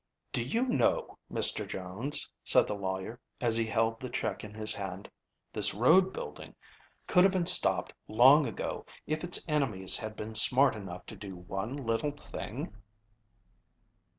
"Do you know, Mr. Jones," said the lawyer, as he held the check in his hand, "this road building could have been stopped long ago if its enemies had been smart enough to do one little thing?"